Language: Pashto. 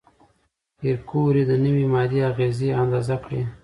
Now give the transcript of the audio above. پېیر کوري د نوې ماده اغېزې اندازه کړه.